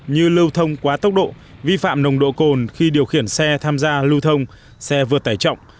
như lưu thông quá tốc độ vi phạm nồng độ cồn khi điều khiển xe tham gia lưu thông xe vượt tải trọng